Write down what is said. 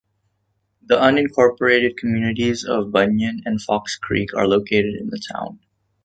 The unincorporated communities of Bunyan and Fox Creek are located in the town.